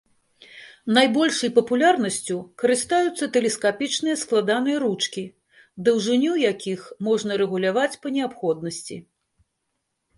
Найбольшай папулярнасцю карыстаюцца тэлескапічныя складаныя ручкі, даўжыню якіх можна рэгуляваць па неабходнасці.